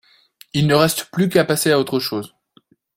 Il ne reste plus qu'à passer à autre chose